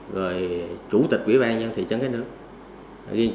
rồi chủ tịch ubnd thị trấn cái nước